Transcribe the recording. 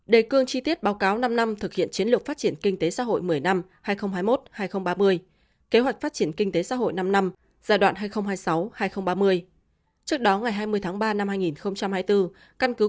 đề cương chi tiết báo cáo năm năm thực hiện chiến lược phát triển kinh tế xã hội một mươi năm hai nghìn hai mươi một hai nghìn ba mươi kế hoạch phát triển kinh tế xã hội năm năm giai đoạn hai nghìn hai mươi sáu hai nghìn ba mươi